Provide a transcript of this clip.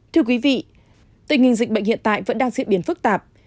thưa quý vị tình hình dịch bệnh hiện tại vẫn đang diễn biến phức tạp